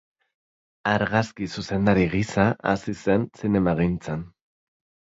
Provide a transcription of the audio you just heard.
Argazki-zuzendari gisa hasi zen zinemagintzan.